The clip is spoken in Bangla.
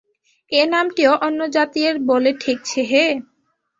এ নামটিও অন্যজাতীয়ের বলে ঠেকছে হে!